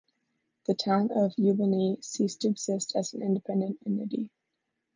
The town of Yubileyny ceased to exist as an independent entity.